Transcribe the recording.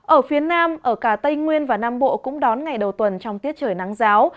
ở phía nam ở cả tây nguyên và nam bộ cũng đón ngày đầu tuần trong tiết trời nắng giáo